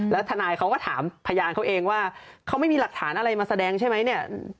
แล้วทนายเขาก็ถามพยานเขาเองว่าเขาไม่มีหลักฐานอะไรมาแสดงใช่ไหมเนี่ย